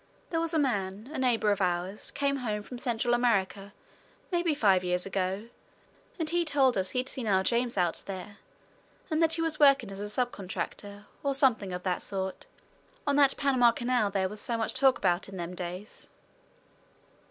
There was a man, a neighbour of ours, came home from Central America, maybe five years ago, and he told us he'd seen our James out there, and that he was working as a sub contractor, or something of that sort, on that Panama Canal there was so much talk about in them days."